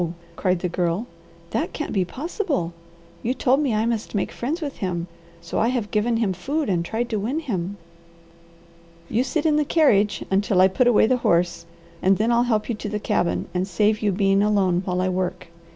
cried the Girl. "That couldn't be possible. You told me I must make friends with him, so I have given him food, and tried to win him." "You sit in the carriage until I put away the horse, and then I'll help you to the cabin, and save you being alone while I work.